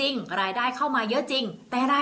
ส่งผลทำให้ดวงชาวราศีมีนดีแบบสุดเลยนะคะ